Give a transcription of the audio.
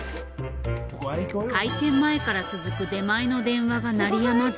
開店前から続く出前の電話が鳴り止まず。